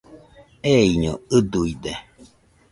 Eiño ɨduide